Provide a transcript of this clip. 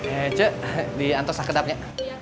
eh cek diantar sah kedapnya